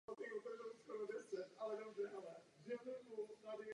Jeho dětství rozhodně nebylo jednoduché.